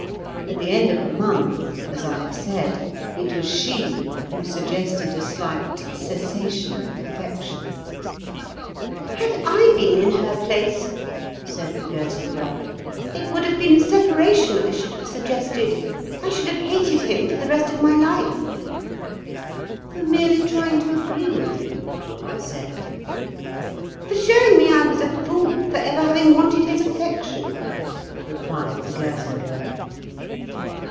At the end of a month, as I have said, it was she who suggested a slight cessation of affection." [Picture: He went with her and made himself ridiculous at the dressmaker's] "Had I been in her place," said the Girton Girl, "it would have been a separation I should have suggested. I should have hated him for the rest of my life." "For merely trying to agree with you?" I said. "For showing me I was a fool for ever having wanted his affection," replied the Girton Girl.